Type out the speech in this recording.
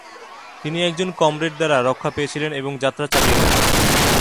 তিনি একজন কমরেড দ্বারা রক্ষা পেয়েছিলেন এবং যাত্রা চালিয়ে যান।